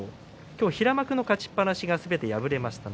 今日、平幕の勝ちっぱなしがすべて敗れました。